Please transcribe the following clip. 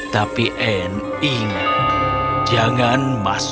tapi anne ingat jangan masuk